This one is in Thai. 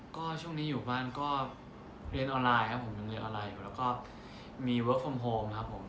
ก็ช่วงนี้อยู่บ้านก็เรียนออนไลน์ครับผมยังเรียนออนไลน์อยู่แล้วก็มีเวิร์คโฮมครับผม